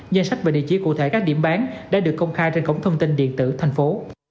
danh sách và địa chỉ cụ thể các điểm bán đã được công khai trên cổng thông tin điện tử thành phố